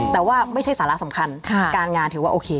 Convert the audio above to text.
แต่ว่าไม่ใช่สาระสำคัญการงานถือว่าโอเค